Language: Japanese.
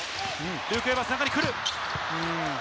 ルーク・エヴァンス、中に来る。